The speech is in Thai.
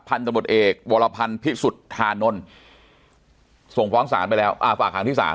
พันธุ์ตรวจเอกวรพันธุ์พิสุทธานนท์ส่งฟ้องฝากหังที่ศาล